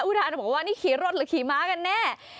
ทานบอกว่านี่ขี่รถหรือขี่ม้ากันแน่